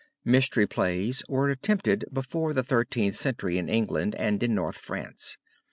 Mystery plays were attempted before the Thirteenth Century in England and in North France.